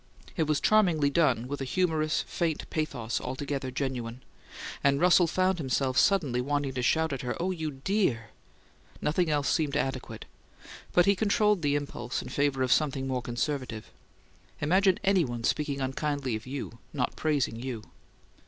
It was charmingly done, with a humorous, faint pathos altogether genuine; and Russell found himself suddenly wanting to shout at her, "Oh, you DEAR!" Nothing else seemed adequate; but he controlled the impulse in favour of something more conservative. "Imagine any one speaking unkindly of you not praising you!"